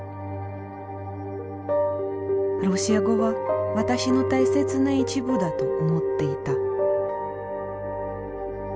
ロシア語は私の大切な一部だと思っていた。